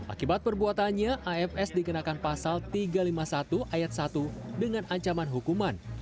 akibat perbuatannya afs dikenakan pasal tiga ratus lima puluh satu ayat satu dengan ancaman hukuman